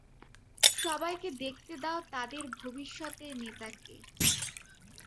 সবাইকে দেখতে দাও তাদের ভবিষ্যতের নেতাকে।